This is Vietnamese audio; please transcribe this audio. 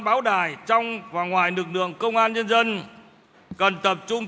báo đài trong và ngoài lực lượng công an nhân dân cần tập trung